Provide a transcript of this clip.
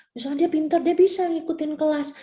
misalnya dia pintar dia bisa ngikutin kelas